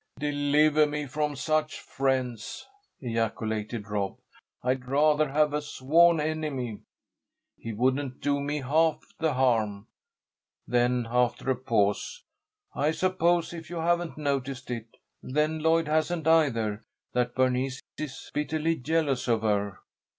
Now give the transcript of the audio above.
"Deliver me from such friends!" ejaculated Rob. "I'd rather have a sworn enemy. He wouldn't do me half the harm." Then after a pause, "I suppose, if you haven't noticed it, then Lloyd hasn't either, that Bernice is bitterly jealous of her."